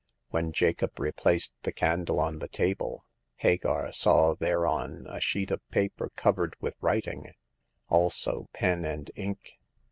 When Jacob replaced the candle on the table, Hagar saw thereon a sheet of paper covered with writing ; also pen and ink.